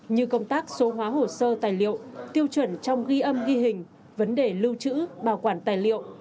như công tác số hóa hồ sơ tài liệu tiêu chuẩn trong ghi âm ghi hình vấn đề lưu trữ bảo quản tài liệu